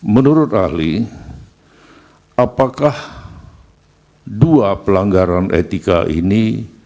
menurut ahli apakah dua pelanggaran etika ini